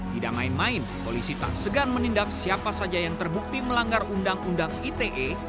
tidak main main polisi tak segan menindak siapa saja yang terbukti melanggar undang undang ite